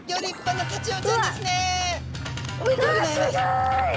おめでとうございます。